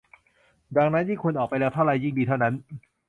ดังนั้นยิ่งคุณออกไปเร็วเท่าใดก็ยิ่งดีเท่านั้น